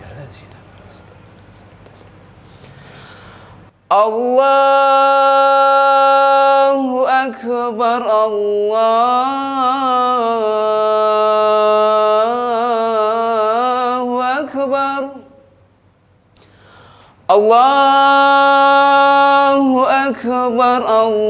allahu akbar allahu akbar